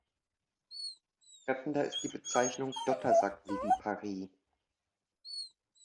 Treffender ist die Bezeichnung "Dottersack-Viviparie".